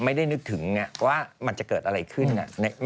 นึกถึงว่ามันจะเกิดอะไรขึ้น